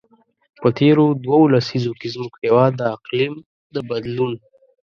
په تېرو دوو لسیزو کې، زموږ هېواد د اقلیم د بدلون.